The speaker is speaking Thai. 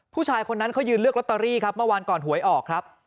ผู้ชายคนนั้นเขายืนเลือกลอตเตอรี่ครับเมื่อวานก่อนหวยออกครับ